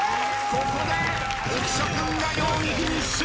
ここで浮所君が４位フィニッシュ！